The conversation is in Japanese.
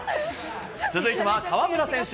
続いては河村選手。